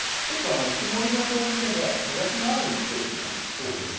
曇りの表示でも日ざしのある日曜日になりそうです。